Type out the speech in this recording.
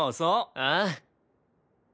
うん。